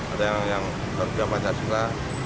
ada yang terhubungan pancasila